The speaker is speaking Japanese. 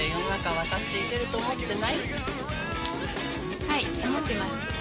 はい思ってます